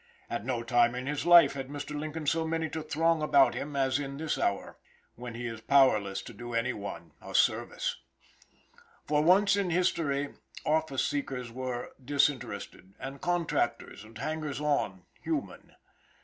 At no time in his life had Mr. Lincoln so many to throng about him as in this hour, when he is powerless to do any one a service. For once in history, office seekers were disinterested, and contractors and hangers on human.